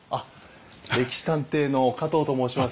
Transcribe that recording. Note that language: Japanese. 「歴史探偵」の加藤と申します。